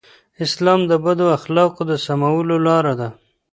اسلام د بدو اخلاقو د سمولو لاره ده.